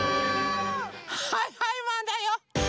はいはいマンだよ。